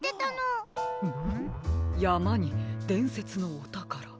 フムやまにでんせつのおたから。